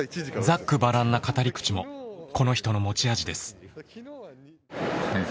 ざっくばらんな語り口もこの人の持ち味です。